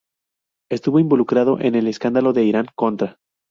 Estuvo involucrado en el escándalo Irán-Contra.